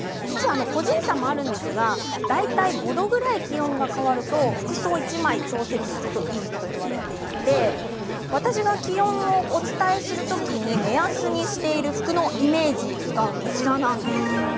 個人差はあるんですが大体５度ぐらい変わると服装を１枚調節するといいと言われていて私は気温をお伝えするときに目安にしている服のイメージがこちらです。